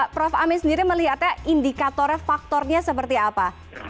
prof amin sendiri melihatnya indikatornya faktornya seperti apa